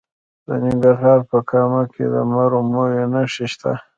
د ننګرهار په کامه کې د مرمرو نښې شته.